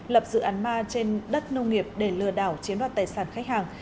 lập dự án ma trên đất nông nghiệp để lừa đảo chiếm đoạt tài sản khách hàng